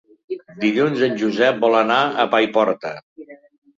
Dilluns en Josep vol anar a Paiporta.